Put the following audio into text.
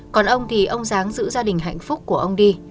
còn ông thì ông giáng giữ gia đình hạnh phúc của ông đi